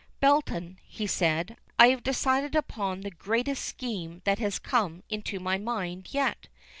"Belton," he said, "I have decided upon the greatest scheme that has come into my mind yet.